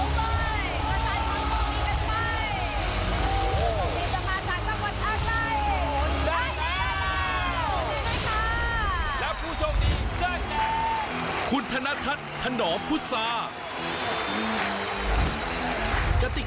ตับติดตามรุงร้านและมอเตอร์ไสต์